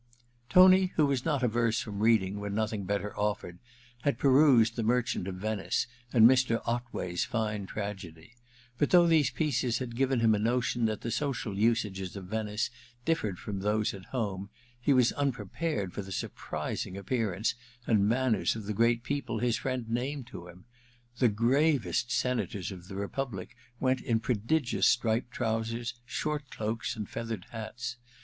Tony, who was not averse from reading when nothing better offered, had perused the * Merchant of Venice* and Mr. Otway*s fine I ENTERTAINMENT 321 tragedy ; but though these pieces had given him a notion that the social usages of Venice differed from those at home, he was unprepared for the surprising appearance and manners of the great people his friend named to him. The gravest Senators of the Republic went in prodigious striped trousers, short cloaks and feathered hats.